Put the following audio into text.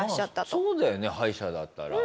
そうだよね歯医者だったら。